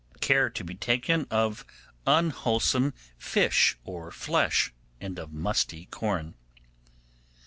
Care to be had of unwholesome Fish or Flesh, and of musty Corn.